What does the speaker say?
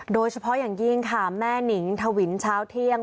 โดยเฉพาะอย่างยิ่งค่ะแม่นิงทวินเช้าเที่ยง